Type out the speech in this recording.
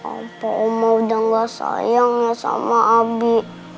apa oma udah enggak sayang ya sama abi